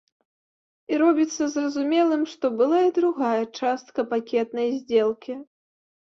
І робіцца зразумелым, што была і другая частка пакетнай здзелкі.